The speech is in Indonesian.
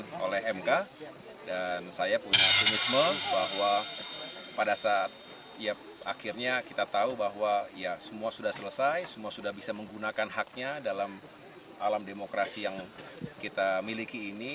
ini oleh mk dan saya punya optimisme bahwa pada saat ya akhirnya kita tahu bahwa ya semua sudah selesai semua sudah bisa menggunakan haknya dalam alam demokrasi yang kita miliki ini